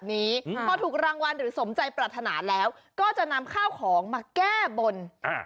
อืมพอถูกรางวัลหรือสมใจปรารถนาแล้วก็จะนำข้าวของมาแก้บนอ่า